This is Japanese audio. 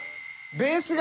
ベースが。